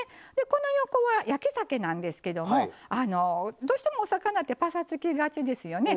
この横は焼きざけなんですけどもどうしてもお魚ってぱさつきがちですよね。